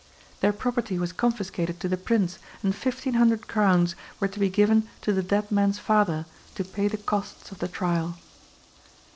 Their property was confiscated to the Prince, and fifteen hundred crowns were to be given to the dead man's father to pay the costs of the trial.